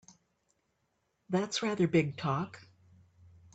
That's rather big talk!